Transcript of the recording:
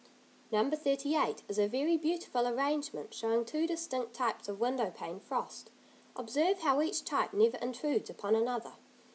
No. 38 is a very beautiful arrangement showing two distinct types of window pane frost. Observe how each type never intrudes upon another.